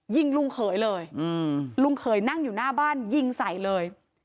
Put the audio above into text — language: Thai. ยิงลุงเขยเลยลุงเขยนั่งอยู่หน้าบ้านยิงใส่เลย